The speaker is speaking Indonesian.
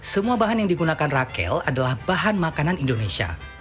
semua bahan yang digunakan rakel adalah bahan makanan indonesia